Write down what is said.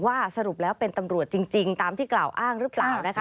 สรุปแล้วเป็นตำรวจจริงตามที่กล่าวอ้างหรือเปล่านะคะ